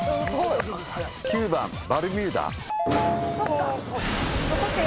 ９番バルミューダ。